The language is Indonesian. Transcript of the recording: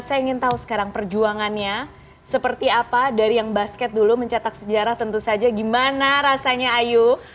dan saya ingin tahu sekarang perjuangannya seperti apa dari yang basket dulu mencetak sejarah tentu saja gimana rasanya ayu